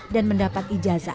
dan mendapat ijazah